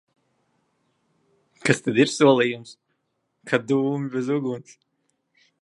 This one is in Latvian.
Kas tad ir solījums? Kā dūmi bez uguns!